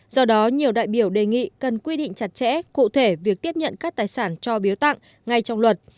do đó nhiều đại biểu đề nghị cần quy định chặt chẽ cụ thể việc tiếp nhận các tài sản cho biếu tặng ngay trong luật